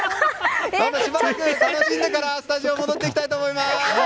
しばらく楽しんでからスタジオに戻りたいと思います！